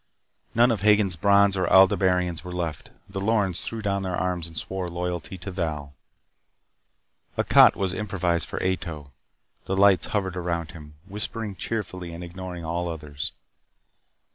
None of Hagen's Brons or Aldebaranians were left. The Lorens threw down their arms and swore loyalty to Val. A cot was improvised for Ato. The lights hovered around him, whispering cheerfully and ignoring all others.